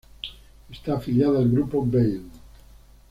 Está afiliada al grupo Veil.